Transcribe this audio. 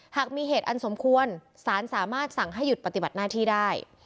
หากมีเหตุอันสมควรสารสามารถสั่งให้หยุดปฏิบัติหน้าที่ได้